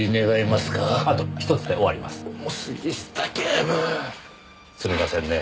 すみませんねぇ。